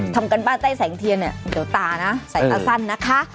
ทำการบ้านใต้แสงเทียนเนี่ยเดี๋ยวตานะใส่ตาสั้นนะคะ